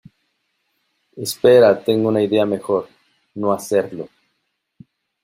Espera. Tengo una idea mejor .¡ no hacerlo!